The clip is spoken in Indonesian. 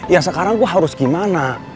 ya sekarang gua harus gimana